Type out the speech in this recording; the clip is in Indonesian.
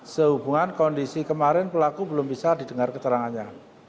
sehubungan kondisi kemarin pelaku belum bisa didengar keterangannya